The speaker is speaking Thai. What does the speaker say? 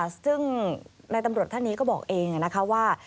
ซึ่งนายตำรวจท่านนี้ก็บอกเองนะคะว่า